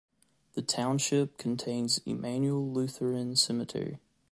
The township contains Emmanuel Lutheran Cemetery.